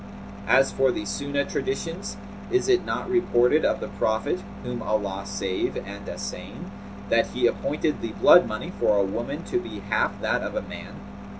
As for the Sunnah traditions, is it not reported of the Prophet (whom Allah save and assain!) that he appointed the blood money for a woman to be half that of a man.